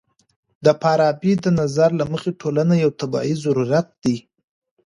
د فارابي د نظر له مخې ټولنه يو طبيعي ضرورت دی.